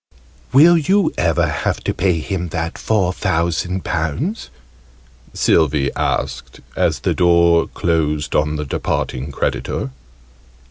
"Will you ever have to pay him that four thousand pounds?" Sylvie asked as the door closed on the departing creditor.